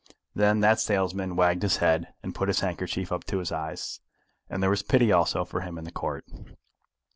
Then that salesman wagged his head, and put his handkerchief up to his eyes, and there was pity also for him in the Court.